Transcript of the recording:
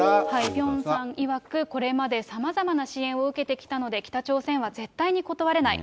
ピョンさんいわく、これまでさまざまな支援を受けてきたので、北朝鮮は絶対に断れない。